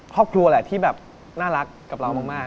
ครอบครัวแหละที่แบบน่ารักกับเรามาก